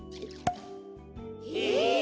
へえ。